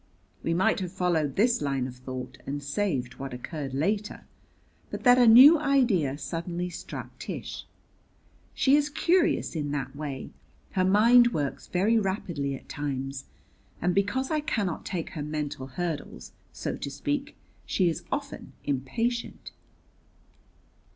We might have followed this line of thought, and saved what occurred later, but that a new idea suddenly struck Tish. She is curious in that way; her mind works very rapidly at times, and because I cannot take her mental hurdles, so to speak, she is often impatient.